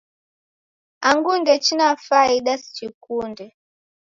Angu ndechina faida sichikunde.